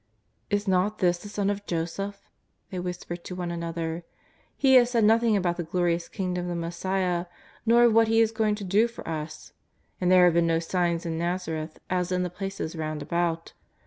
'^ Is not this the son of Joseph ?" they whisper to one another. " He has said nothing about the glorious Kingdom of the Messiah, nor of what He is going to do for us. And there have been no signs in jSTazareth as in the places round about.